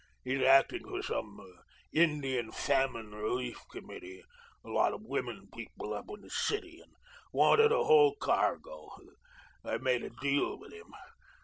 He's acting for some Indian Famine Relief Committee lot of women people up in the city and wanted a whole cargo. I made a deal with him.